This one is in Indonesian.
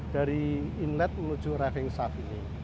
dari inlet menuju rafting shaft ini